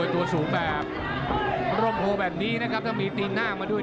ตัวสูงแบบร่มโพแบบนี้นะครับถ้ามีตีนหน้ามาด้วย